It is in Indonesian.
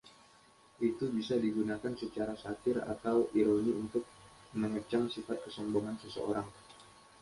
Itu bisa digunakan secara satir atau ironi untuk mengecam sifat kesombongan seseorang.